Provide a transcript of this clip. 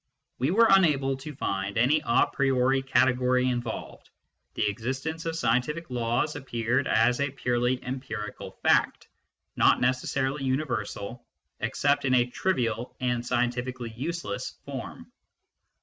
We were unable to find any a priori category involved : the existence of scientific laws ap peared as a purely empirical fact, not necessarily universal, except in a trivial and scientifically useless form.